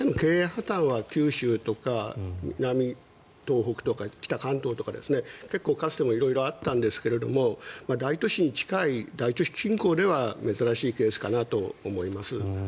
破たんは九州とか東北とか北関東とか結構かつても色々あったんですが大都市に近い大都市近郊では珍しいケースかなと思います。